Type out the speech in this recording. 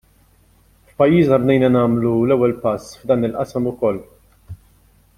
F'pajjiżna bdejna nagħmlu l-ewwel passi f'dan il-qasam ukoll.